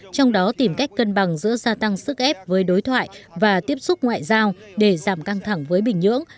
trong đó tìm cách cân bằng giữa gia tăng sức ép với đối thoại và tiếp xúc ngoại giao để giảm căng thẳng với bình nhưỡng